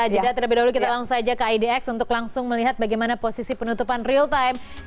jadi kita langsung saja ke idx untuk langsung melihat bagaimana posisi penutupan real time